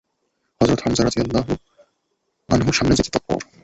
হযরত হামযা রাযিয়াল্লাহু আনহু সামনে যেতে তৎপর।